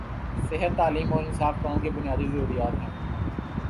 صحت، تعلیم اور انصاف قوم کی بنیادی ضروریات ہیں۔